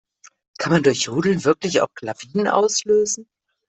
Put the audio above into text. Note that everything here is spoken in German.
Kann man durch Jodeln wirklich Lawinen auslösen?